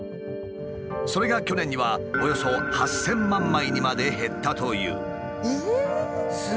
それが去年にはおよそ８，０００万枚にまで減ったという。